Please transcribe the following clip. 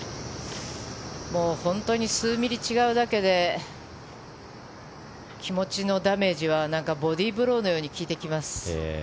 本当に数ミリ違うだけで気持ちのダメージはボディーブローのように効いてきます。